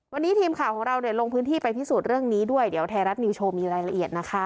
วันนี้ทีมข่าวของเราเนี่ยลงพื้นที่ไปพิสูจน์เรื่องนี้ด้วยเดี๋ยวไทยรัฐนิวโชว์มีรายละเอียดนะคะ